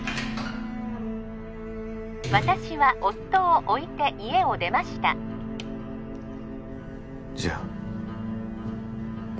私は夫を置いて家を出ましたじゃあ心